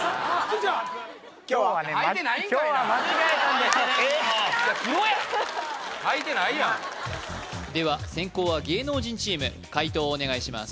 黒やんはいてないやんでは先攻は芸能人チーム解答お願いします